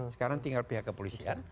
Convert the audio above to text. sekarang tinggal pihak kepolisian